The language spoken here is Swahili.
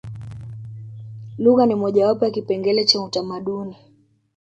lugha ni moja wapo ya kipengele cha utamaduni